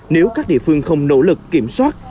nếu các địa phương không nỗ lực kiểm soát